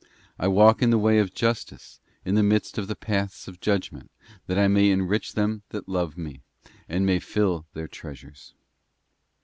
I walk in the way of justice, in the midst of the paths of judgment, that I may enrich them that love me, and may fill their treasures.